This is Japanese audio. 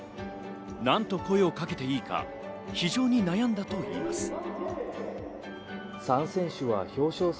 なんと声をかけていいか非常に悩んだといいます。